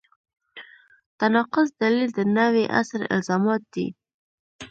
تناقض دلیل د نوي عصر الزامات دي.